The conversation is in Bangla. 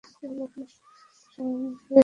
এমন সময়ে বেহারা চায়ের জন্য কাৎলিতে গরম জল আনিল।